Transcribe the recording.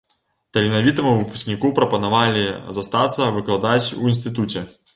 Таленавітаму выпускніку прапанавалі застацца выкладаць у інстытуце.